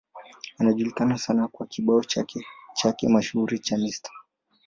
Anajulikana sana kwa kibao chake mashuhuri cha Mr.